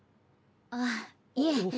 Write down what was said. あっいえ。